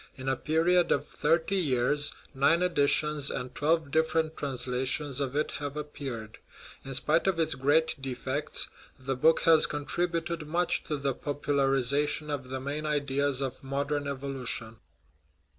In a period of thirty years nine editions and twelve different transla tions of it have appeared. In spite of its great defects, the book has contributed much to the popularization of the main ideas of modern evolution.